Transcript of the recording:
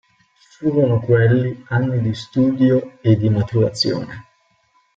Furono quelli anni di studio e di maturazione.